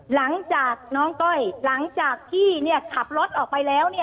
หลังจากน้องก้อยหลังจากพี่เนี่ยขับรถออกไปแล้วเนี่ย